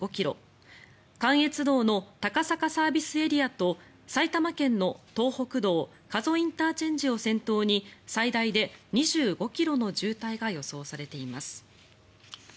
関越道の高坂ＳＡと埼玉県の東北道加須ＩＣを先頭に最大で２５ｋｍの渋滞が予想されています。